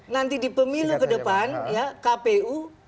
nanti di pemilu kedepan kpu